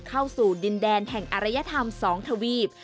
เข้าสู่ดินแดนแห่งอรยธรรม๒ทวีป